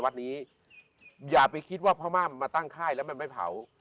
วัดนี้อย่าไปคิดว่าพม่ามาตั้งค่ายแล้วมันไม่เผา